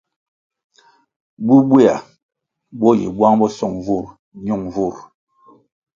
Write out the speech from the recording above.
Bubweya bo yi bwang bo song nvurʼ nyun nvurʼ.